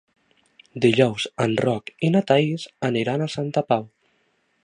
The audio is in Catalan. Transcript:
Dijous en Roc i na Thaís aniran a Santa Pau.